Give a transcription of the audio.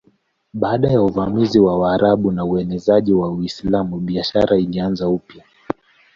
Baada ya uvamizi wa Waarabu na uenezaji wa Uislamu biashara ilianza upya.